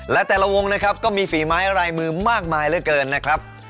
และแต่ละวงนะครับก็มีฝีไม้ลายมือมากมายเหลือเกินนะครับ